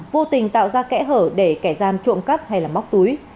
vô tình tạo ra kẽ hở để kẻ gian trộm cắp hay móc túi